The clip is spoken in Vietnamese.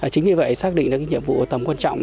chính vì vậy xác định được cái nhiệm vụ tầm quan trọng